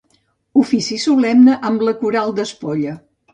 Ofici solemne amb la coral d'Espolla.